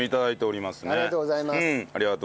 ありがとうございます。